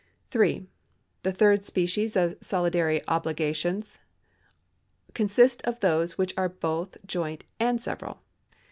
3. The third species of solidary obligation consists of those which are both joint and several.